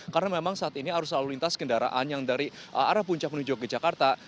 karena memang saat ini arus lalu lintas kendaraan yang dari arah puncak menuju ke jakarta